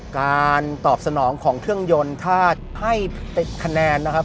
การตอบสนองของเครื่องยนต์ถ้าให้เป็นคะแนนนะครับ